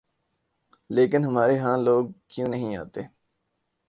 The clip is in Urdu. لیکن ہمارے ہاں لوگ کیوں نہیں آتے؟